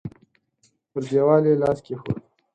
پر دېوال يې لاس کېښود.